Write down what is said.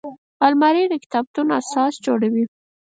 الماري د کتابتون اساس جوړوي